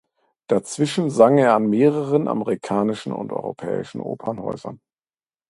Dazwischen sang er an mehreren amerikanischen und europäischen Opernhäusern.